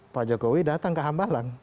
pak jokowi datang ke hambalang